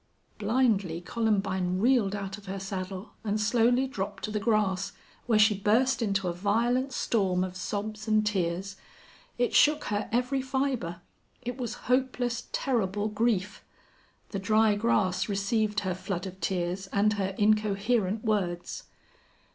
Blindly Columbine reeled out of her saddle and slowly dropped to the grass, where she burst into a violent storm of sobs and tears. It shook her every fiber. It was hopeless, terrible grief. The dry grass received her flood of tears and her incoherent words.